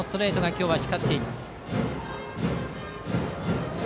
今日は光っています。